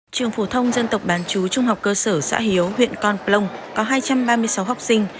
trường phổ thông dân tộc bán chú trung học cơ sở xã hiếu huyện con plông có hai trăm ba mươi sáu học sinh